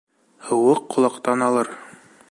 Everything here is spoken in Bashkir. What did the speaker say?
Һыуыҡ ҡолаҡтан алыр.